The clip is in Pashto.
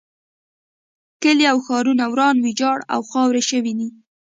کلي او ښارونه وران ویجاړ او خاورې شوي دي.